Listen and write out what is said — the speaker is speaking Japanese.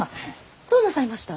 どうなさいました？